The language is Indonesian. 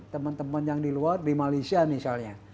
teman teman yang di luar di malaysia misalnya